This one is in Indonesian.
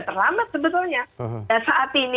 terlambat sebetulnya nah saat ini